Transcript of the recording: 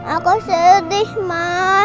aku sedih ma